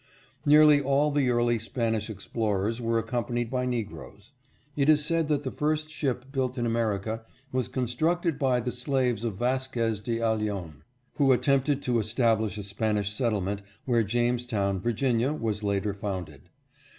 Nearly all the early Spanish explorers were accompanied by Negroes. It is said that the first ship built in America was constructed by the slaves of Vasquez de Ayllon, who attempted to establish a Spanish settlement where Jamestown, Virginia, was later founded.